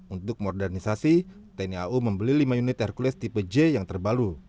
untuk modernisasi tni au membeli lima unit hercules tipe j yang terbalu